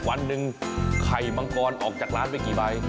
วันหนึ่งไข่มังกรออกจากร้านไปกี่ใบ